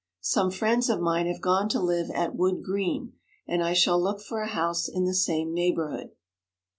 Some friends of mine have gone to live at Wood Green, and I shall look for a house in the same neighbourhood.'